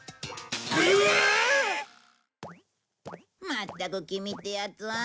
まったくキミってやつは。